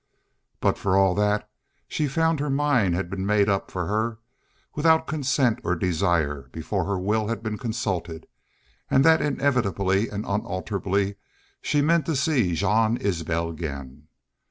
But for all that she found her mind had been made up for her, without consent or desire, before her will had been consulted; and that inevitably and unalterably she meant to see Jean Isbel again.